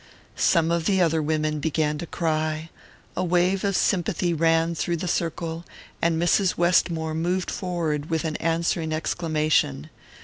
Some of the other women began to cry: a wave of sympathy ran through the circle, and Mrs. Westmore moved forward with an answering exclamation.